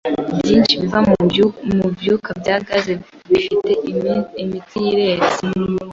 byinshi biva mubyuka bya gaze bafite imitsi yireze